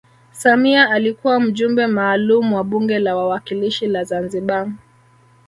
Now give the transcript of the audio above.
samia alikuwa mjumbe maalum wa bunge la wawakilishi la zanzibar